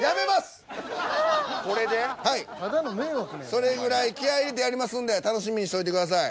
それぐらい気合い入れてやりますんで楽しみにしといてください。